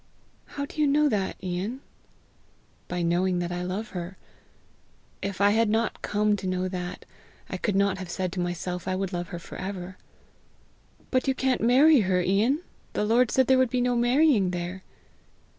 "How do you know that, Ian?" "By knowing that I love her. If I had not come to know that, I could not have said to myself I would love her for ever." "But you can't marry her, Ian! The Lord said there would be no marrying there!"